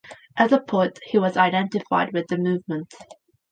As a poet he was identified with the Movement.